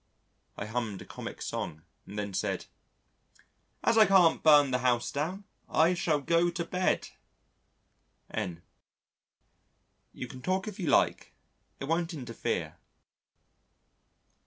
I hummed a comic song and then said: "As I can't burn the house down, I shall go to bed." N : "You can talk if you like, it won't interfere."